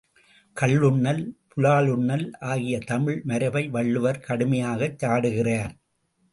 கள்ளுண்ணல், புலால் உண்ணல் ஆகிய தமிழ் மரபை வள்ளுவர் கடுமையாகச் சாடுகிறார்.